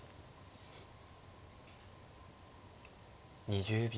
２０秒。